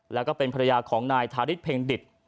แล้วก็เป็นภรรยาของนายทาริสเพ็งดิต